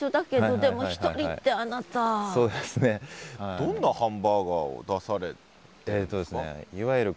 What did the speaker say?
どんなハンバーガーを出されてるんですか？